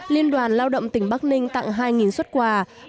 liên đoàn lao động tỉnh bắc ninh tặng hai xuất quà